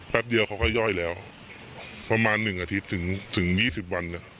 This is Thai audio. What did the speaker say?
แป๊บเยอะเขาก็ย่อยแล้วประมาณหนึ่งอาทิตย์ถึงถึงยี่สิบวันเนี่ย